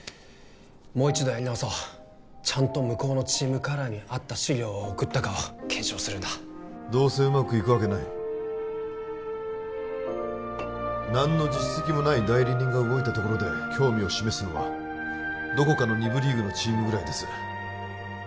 もう一度やり直そうちゃんと向こうのチームカラーに合った資料を送ったかを検証するんだどうせうまくいくわけない何の実績もない代理人が動いたところで興味を示すのはどこかの２部リーグのチームぐらいです